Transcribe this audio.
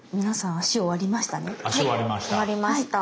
はい終わりました。